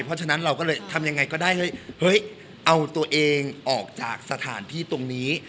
เพราะฉะนั้นเราก็เลยทำยังไงก็ได้เฮ้ยเอาตัวเองออกจากสถานที่ตรงนี้